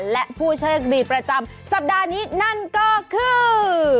และผู้โชคดีประจำสัปดาห์นี้นั่นก็คือ